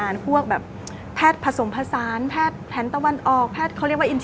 ให้รู้สึกแบบมาร้านนี้แล้วรู้สึกเหมือนอยู่บ้าน